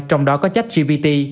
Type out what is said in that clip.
trong đó có chách gbt